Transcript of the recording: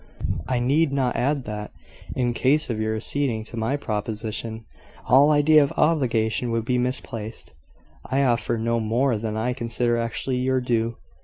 "I need not add that, in case of your acceding to my proposition, all idea of obligation would be misplaced. I offer no more than I consider actually your due.